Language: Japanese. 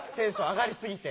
上がりすぎて。